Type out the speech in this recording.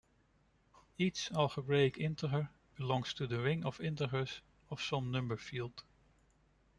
Each algebraic integer belongs to the ring of integers of some number field.